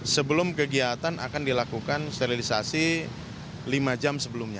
sebelum kegiatan akan dilakukan sterilisasi lima jam sebelumnya